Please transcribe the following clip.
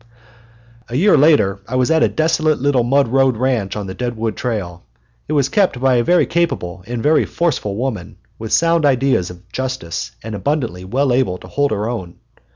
A year later I was at a desolate little mud road ranch on the Deadwood trail. It was kept by a very capable and very forceful woman, with sound ideas of justice and abundantly well able to hold her own.